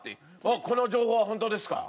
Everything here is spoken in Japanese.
この情報はホントですか？